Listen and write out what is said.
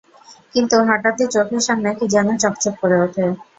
কিন্তু হঠাৎই চোখের সামনে কী যেন চকচক করে উঠল।